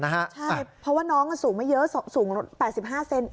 ใช่เพราะว่าน้องสูงไม่เยอะสูง๘๕เซน